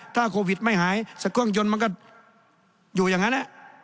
ถ้าโควิดไม่หายสักเครื่องยนต์มันก็อยู่อย่างนั้น